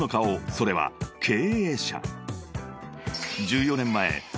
それは経営者］